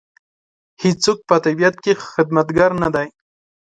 هېڅوک په طبیعت کې خدمتګار نه دی.